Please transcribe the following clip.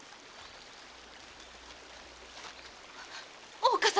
大岡様！